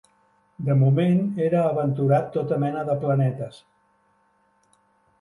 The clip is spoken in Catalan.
De moment era aventurat tota mena de planetes